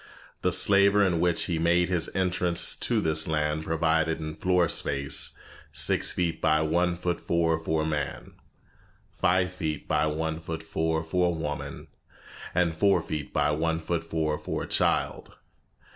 The slaver in which he made his entrance to this land provided in floor space six feet by one foot four for a man, five feet by one foot four for a woman, and four feet by one foot four for a child.